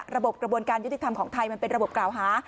กระบวนการยุติธรรมของไทยมันเป็นระบบกล่าวหา